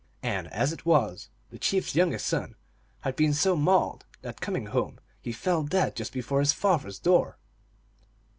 And as it was, the chief s youngest son had been so mauled that, coming home, he fell 372 THE ALGONQUIN LEGENDS. dead just before his father s door.